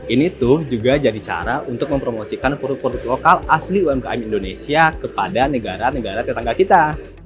ini tuh juga jadi cara untuk mempromosikan produk produk lokal asli umkm indonesia kepada negara negara tetangga kita